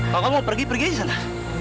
kalau kamu pergi pergi aja sana